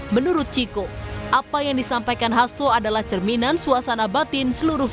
menurut chico apa yang disampaikan hasto adalah cerminan suasana batin seluruh